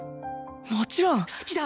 もちろん好きだ！